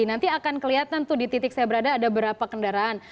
nanti akan kelihatan tuh di titik saya berada ada berapa kendaraan